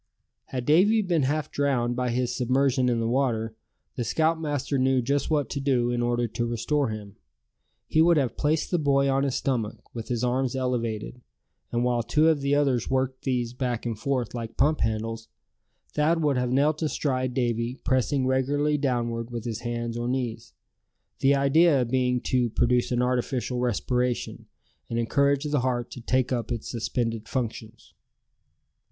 Had Davy been half drowned by his submersion in the water, the scoutmaster knew just what to do in order to restore him. He would have placed the boy on his stomach, with his arms elevated; and while two of the others worked these back and forth like pump handles, Thad would have knelt astride Davy, pressing regularly downward with his hands or knees; the idea being to produce an artificial respiration, and encourage the heart to take up its suspended functions.